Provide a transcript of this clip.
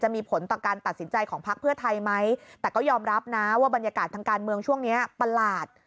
มีผลต่อการตัดสินใจของพักเพื่อไทยไหมแต่ก็ยอมรับนะว่าบรรยากาศทางการเมืองช่วงนี้ประหลาด